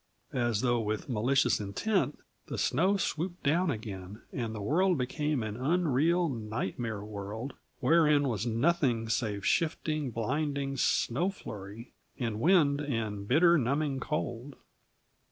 As though with malicious intent, the snow swooped down again and the world became an unreal, nightmare world, wherein was nothing save shifting, blinding snowfloury and wind and bitter, numbing cold.